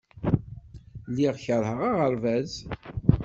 Lliɣ keṛheɣ aɣerbaz.